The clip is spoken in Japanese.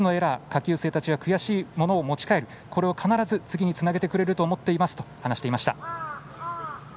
下級生たちが悔しいものを持ち帰りこれを必ず次につなげてくれると思っていますと話していました。